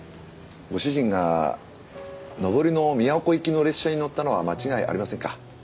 ご主人が上りの宮古行きの列車に乗ったのは間違いありませんか？